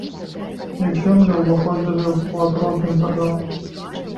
Іх землі ўваходзілі ў склад розных дзяржаў.